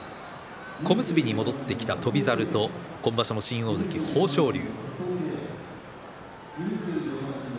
小結に戻ってきた翔猿と今場所の新大関豊昇龍。